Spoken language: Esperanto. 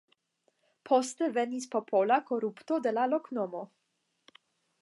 Poste venis popola korupto de la loknomo.